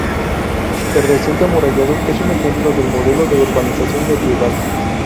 El recinto amurallado es un ejemplo del modelo de urbanización medieval.